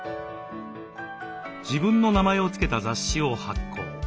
自分の名前を付けた雑誌を発行。